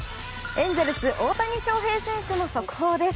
エンゼルス大谷翔平選手の速報です。